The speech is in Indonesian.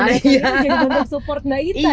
yang mendukung support mbak itta ya